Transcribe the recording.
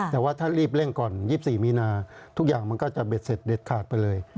แต่ว่าถ้ารีบเร่งก่อน๒๔มีนาทุกอย่างมันก็จะเด็ดเสร็จเด็ดขาดไปเลย